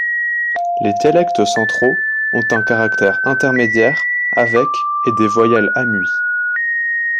Les dialectes centraux ont un caractère intermédiaire avec et des voyelles amuies.